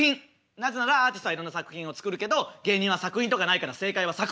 なぜならアーティストはいろんな作品を作るけど芸人は作品とかないから正解は作品。